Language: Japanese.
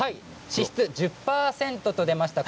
脂質は１０％と出ました。